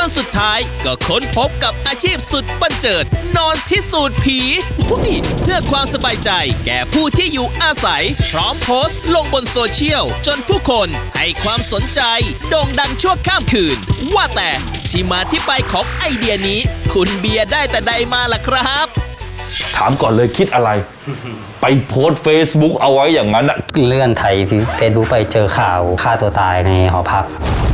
สุดท้ายก็ค้นพบกับอาชีพสุดบันเจิดนอนพิสูจน์ผีเพื่อความสบายใจแก่ผู้ที่อยู่อาศัยพร้อมโพสต์ลงบนโซเชียลจนผู้คนให้ความสนใจโด่งดังชั่วข้ามคืนว่าแต่ที่มาที่ไปของไอเดียนี้คุณเบียร์ได้แต่ใดมาล่ะครับถามก่อนเลยคิดอะไรไปโพสต์เฟซบุ๊กเอาไว้อย่างนั้นเลื่อนไทยสิแต่ดูไปเจอข่าวฆ่าตัวตายในหอพัก